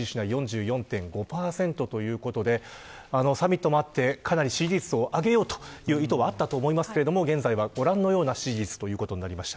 サミットもあってかなり支持率を上げようという意図があったと思いますが現在はご覧のような支持率です。